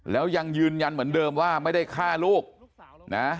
แล้วยังยืนยันเหมือนเดิมว่าไม่ได้ฆ่าลูกนะ